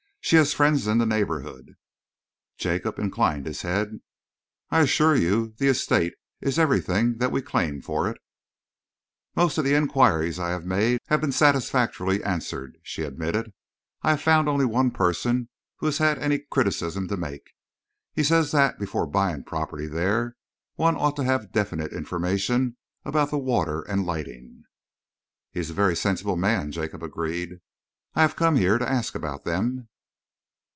She has friends in the neighborhood." Jacob inclined his head. "I assure you the Estate is everything that we claim for it." "Most of the enquiries I have made have been satisfactorily answered," she admitted. "I have found only one person who has had any criticism to make. He says that, before buying property there, one ought to have definite information about the water and lighting." "He is a very sensible man," Jacob agreed. "I have come here to ask about them."